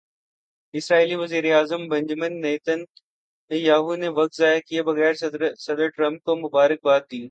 اسرائیلی وزیر اعظم Benjamin Nitin Yahoo نے وقت ضائع کیے بغیر صدر ٹرمپ کو مبارک باد دی۔